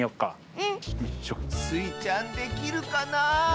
うん。スイちゃんできるかなあ？